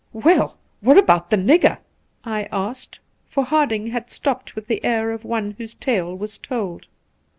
' Well, what about the nigger ?' 'I asked, for 1/6 The Pool Harding had stopped with the air of one whose tale was told.